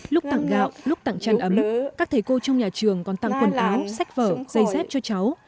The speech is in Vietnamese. lúc tặng gạo lúc tặng chăn ấm các thầy cô trong nhà trường còn tặng quần áo sách vở dây dép cho cháu